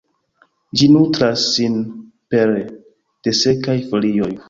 Ĝi nutras sin pere de sekaj folioj.